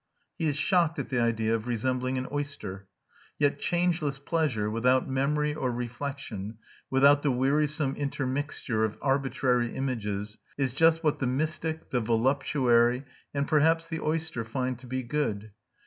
He is shocked at the idea of resembling an oyster. Yet changeless pleasure, without memory or reflection, without the wearisome intermixture of arbitrary images, is just what the mystic, the voluptuary, and perhaps the oyster find to be good.